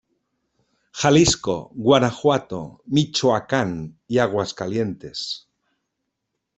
Jalisco, Guanajuato, Michoacán i Aguascalientes.